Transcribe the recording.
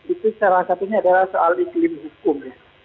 itu salah satunya adalah soal iklim hukum